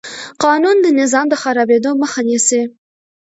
قانون د نظم د خرابېدو مخه نیسي.